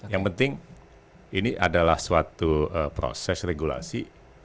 yang penting ini adalah suatu proses regulasi